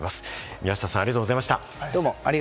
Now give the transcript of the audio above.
宮下さん、ありがとうございました。